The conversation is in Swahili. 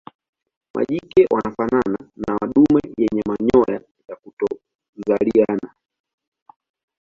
Majike wanafanana na madume yenye manyoya ya kutokuzaliana.